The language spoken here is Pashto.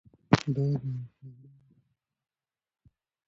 دا د یو پیاوړي نظام برکت دی.